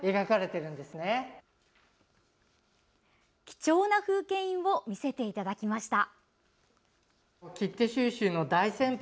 貴重な風景印を見せていただきました。